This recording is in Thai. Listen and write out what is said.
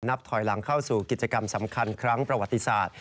ถอยหลังเข้าสู่กิจกรรมสำคัญครั้งประวัติศาสตร์